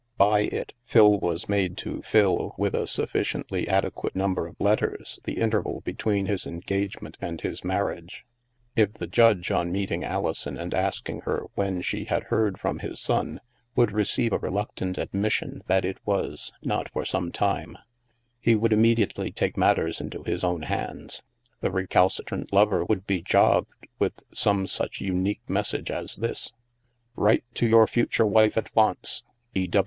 By it, Phil was made to fill, with a sufficiently adequate number of letters, the interval between his engagement and his marriage. If the ^^VVoH^ lOO THE MASK Judge, on meeting Alison and asking her when she had heard from his son, would receive a reluctant admission that it was '* not for some time/' he would immediately take matters into his own hands. The recalcitrant lover would be jogged with some such unique message as this: " Write to your future wife at once. " E.